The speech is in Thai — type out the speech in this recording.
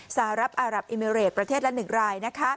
สหรัฐอารับอิมิเรตประเทศละ๑ราย